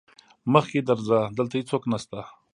مخکې درځه دلته هيڅوک نشته.